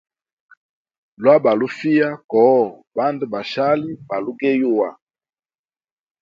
Lwa balufiya koho bandu ba shali balugeyuwa.